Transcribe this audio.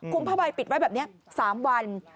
คุมภาวะไว้ปิดไว้แบบนี้๓วัน